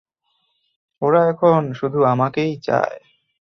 ওরা এখন শুধু আমাকেই চায়।